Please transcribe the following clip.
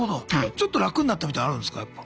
ちょっと楽になったみたいのあるんすかやっぱ。